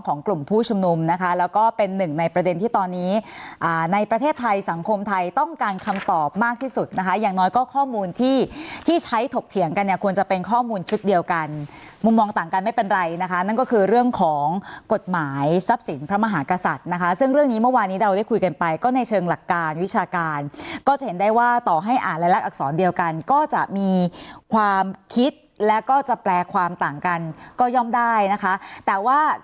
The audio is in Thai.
ของกลุ่มผู้ชมนุมนะคะแล้วก็เป็นหนึ่งในประเด็นที่ตอนนี้ในประเทศไทยสังคมไทยต้องการคำตอบมากที่สุดนะคะอย่างน้อยก็ข้อมูลที่ที่ใช้ถกเถียงกันเนี่ยควรจะเป็นข้อมูลทุกเดียวกันมุมมองต่างกันไม่เป็นไรนะคะนั่นก็คือเรื่องของกฎหมายทรัพย์สินพระมหากษัตริย์นะคะซึ่งเรื่องนี้เมื่อวานนี้เราได้คุยกันไปก็ในเ